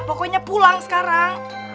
pokoknya pulang sekarang